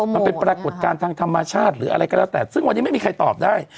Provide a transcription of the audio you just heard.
มันเป็นปรากฏการณ์ทางธรรมชาติหรืออะไรก็แล้วแต่ซึ่งวันนี้ไม่มีใครตอบได้